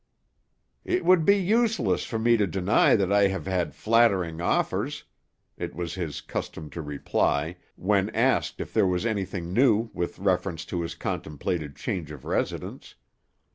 "It would be useless for me to deny that I have had flattering offers," it was his custom to reply, when asked if there was anything new with reference to his contemplated change of residence.